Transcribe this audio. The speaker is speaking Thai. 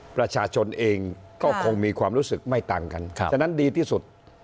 ประชาชนเองก็คงมีความรู้สึกไม่ต่างกันฉะนั้นดีที่สุด